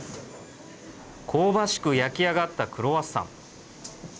香ばしく焼き上がったクロワッサン。